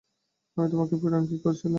আমি তোমাকে পীড়ন কী করিলাম।